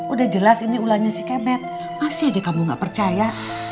udah jelas ini ulangnya si kebet masih aja kamu nggak percaya